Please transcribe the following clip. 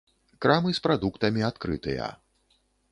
Крамы з прадуктамі адкрытыя.